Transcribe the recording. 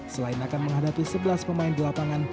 selain akan menghadapi sebelas pemain di lapangan